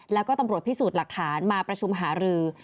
แล้วก็ตำรวจพิสูจน์หลักฐานมาประชุมหารือ